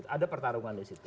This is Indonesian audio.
ada pertarungan di situ